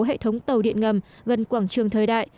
hệ thống tàu điện ngầm gần quảng trường thời đại